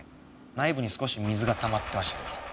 内部に少し水が溜まってましたけど。